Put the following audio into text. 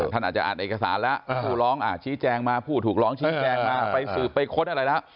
ท่านอาจจะอ่านเอกสารแล้วผู้ร้องชี้แจงมาผู้ถูกร้องชี้แจงมาไปสืบไปค้นอะไรแล้ว